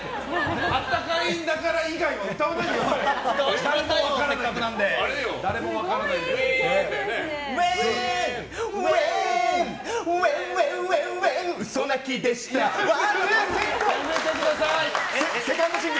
「あったかいんだからぁ」以外は歌わないでください。